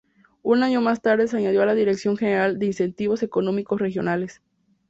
Un año más tarde se añadía la Dirección General de Incentivos Económicos Regionales.